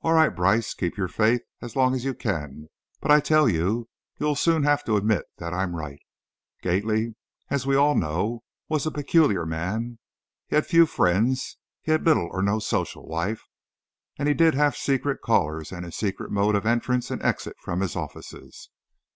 "All right, Brice, keep your faith as long as you can, but, I tell you, you'll soon have to admit that I'm right. Gately, as we all know, was a peculiar man. He had few friends, he had little or no social life, and he did have secret callers and a secret mode of entrance and exit from his offices.